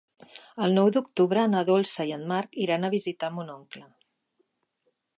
El nou d'octubre na Dolça i en Marc iran a visitar mon oncle.